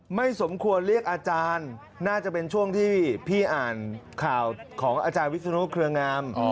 หนักข่าวก็จะเรียกกันอาจารย์วิสนุอ่ะนะ